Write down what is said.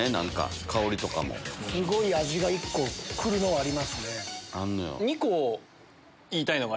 すごい味が１個来るのはありますね。